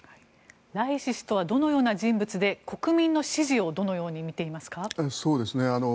ライシ師とはどんな人物で国民の支持をどう見ていますか？